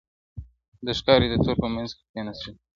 • د ښکاري د تور په منځ کي کښېنستلې -